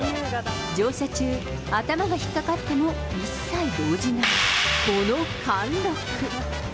乗車中、頭が引っ掛かっても一切動じない、この貫禄。